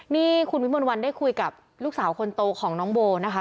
นี่คุณวิมนต์วันได้คุยกับลูกสาวคนโตของน้องโบนะคะ